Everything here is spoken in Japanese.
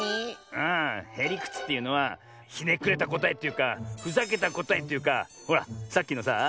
ああへりくつっていうのはひねくれたこたえというかふざけたこたえというかほらさっきのさあ